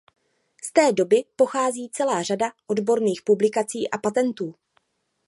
Z té doby pochází celá řada odborných publikací a patentů.